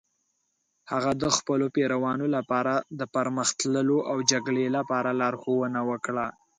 هغه د خپلو پیروانو لپاره د پرمخ تللو او جګړې لپاره لارښوونه وکړه.